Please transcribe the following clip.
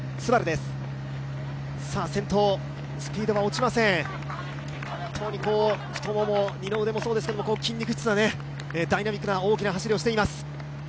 そして先頭、スピードが落ちません太もも、二の腕もそうですけど、筋肉質な、ダイナミックな大きな走りをしています。